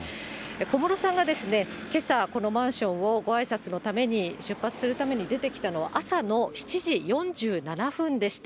小室さんがけさ、このマンションをごあいさつのために、出発するために出てきたのは、朝の７時４７分でした。